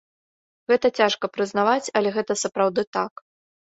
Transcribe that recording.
Гэта цяжка прызнаваць, але гэта сапраўды так.